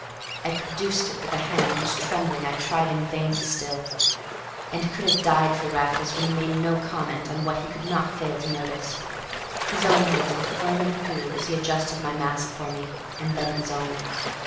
I produced it with a hand whose trembling I tried in vain to still, and could have died for Raffles when he made no comment on what he could not fail to notice. His own hands were firm and cool as he adjusted my mask for me, and then his own.